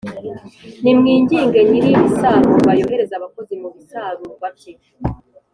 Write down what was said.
nimwinginge Nyir ibisarurwa yohereze abakozi mu bisarurwa bye